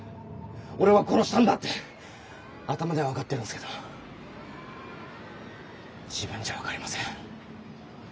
「俺は殺したんだ！」って頭では分かってるんですけど自分じゃ分かりません。